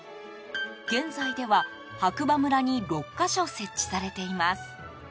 現在では、白馬村に６か所設置されています。